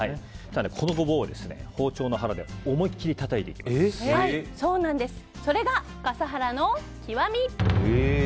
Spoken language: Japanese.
このゴボウを包丁の腹でそれが笠原の極み！